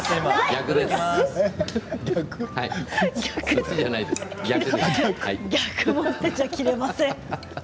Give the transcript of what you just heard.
逆じゃあ、切れません。